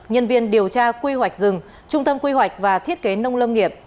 nhân viên điều tra quy hoạch rừng trung tâm quy hoạch và thiết kế nông lâm nghiệp